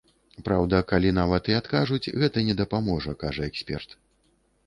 Праўда, калі нават і адкажуць, гэта не дапаможа, кажа эксперт.